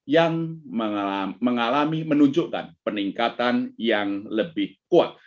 yang mengalami menunjukkan peningkatan yang lebih kuat